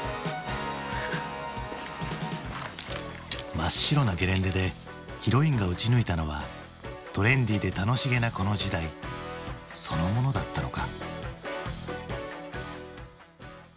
真っ白なゲレンデでヒロインが撃ち抜いたのはトレンディで楽しげなこの時代そのものだったのか。